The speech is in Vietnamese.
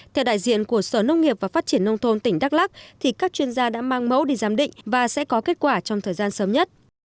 theo đại diện của sở nông nghiệp và phát triển nông thôn tỉnh đắk lắc thì các chuyên gia đã mang mẫu đi giám định và sẽ có kết quả trong thời gian sớm nhất